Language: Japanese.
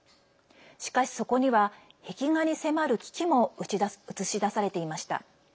しかし、そこには壁画に迫る危機も映し出されていました。